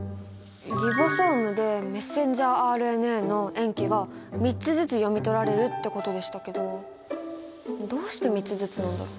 リボソームでメッセンジャーＲＮＡの塩基が３つずつ読み取られるってことでしたけどどうして３つずつなんだろう？